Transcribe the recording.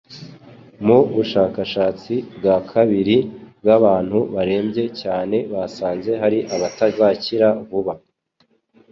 Mu bushakashatsi bwa kabiri, bw’abantu barembye cyane basanze hari abatazakira vuba